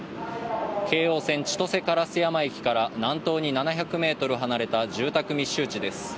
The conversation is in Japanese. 京王線・千歳烏山駅から南東に７００ｍ離れた住宅密集地です。